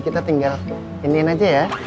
kita tinggal iniin aja ya